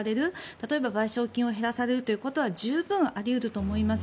例えば賠償金を減らされることは十分あると思います。